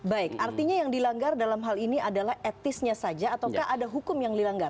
baik artinya yang dilanggar dalam hal ini adalah etisnya saja ataukah ada hukum yang dilanggar